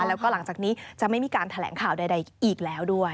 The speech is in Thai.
แล้วก็หลังจากนี้จะไม่มีการแถลงข่าวใดอีกแล้วด้วย